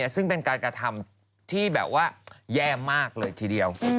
ซึ่งเป็นการกระทำที่แบบว่าแย่มากเลยทีเดียว